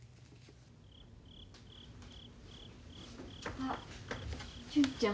あ純ちゃん。